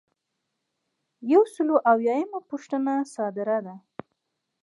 یو سل او اویایمه پوښتنه صادره ده.